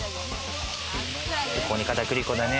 そこに片栗粉だね。